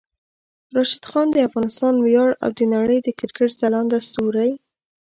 راشد خان د افغانستان ویاړ او د نړۍ د کرکټ ځلانده ستوری